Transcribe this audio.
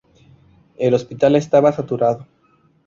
El hospital estaba saturado.